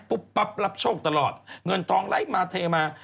ปุ๊บปุ๊บปุ๊บรับโชคตลอดเงินทองไล่มาเทมา